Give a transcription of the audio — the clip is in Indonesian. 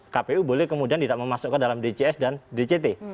kpu boleh kemudian tidak memasukkan dalam dcs dan dct